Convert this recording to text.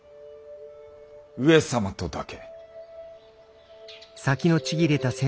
上様とだけ。